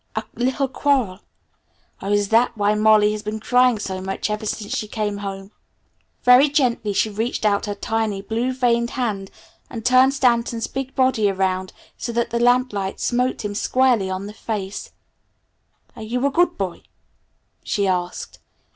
"A little quarrel? Oh, is that why Molly has been crying so much ever since she came home?" Very gently she reached out her tiny, blue veined hand, and turned Stanton's big body around so that the lamp light smote him squarely on his face. "Are you a good boy?" she asked.